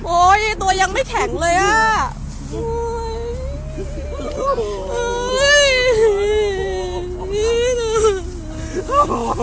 ตัวยังไม่แข็งเลยอ่ะ